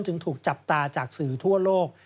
จึงถูกจับตาจากสื่อทั่วโลก